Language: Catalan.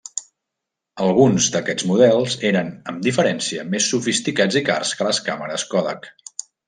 Alguns d'aquests models eren, amb diferència, més sofisticats i cars que les càmeres Kodak.